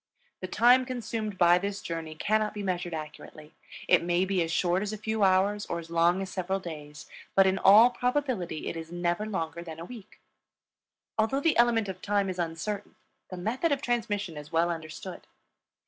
The time consumed by this journey cannot be measured accurately; it may be as short as a few hours or as long as several days, but in all probability it is never longer than a week. Although the element of time is uncertain the method of transmission is well understood.